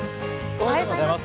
おはようございます。